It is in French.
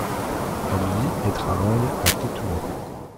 Elle vit et travaille à Tétouan.